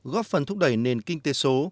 góp phần thúc đẩy nền kinh tế số